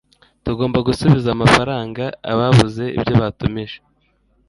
tugomba gusubiza amafaranga ababuze ibyo batumije .